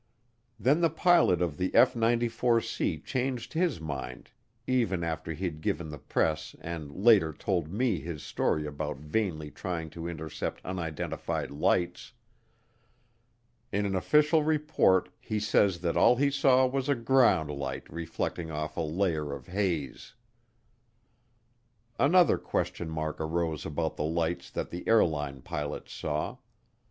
Then the pilot of the F 94C changed his mind even after he'd given the press and later told me his story about vainly trying to intercept unidentified lights. In an official report he says that all he saw was a ground light reflecting off a layer of haze. Another question mark arose about the lights that the airline pilots saw.